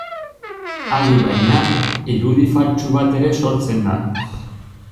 Adi baina, irudi faltsu bat ere sortzen da.